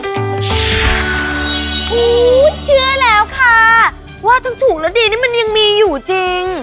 โอ้โหเชื่อแล้วค่ะว่าทั้งถูกแล้วดีนี่มันยังมีอยู่จริง